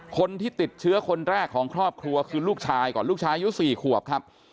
คนที่ติดเชื้อคนแรกของครอบครัวคือลูกชายก่อนลูกชายอายุ๔ขวบครับ